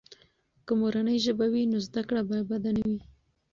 که مورنۍ ژبه وي، نو زده کړه به بده نه وي.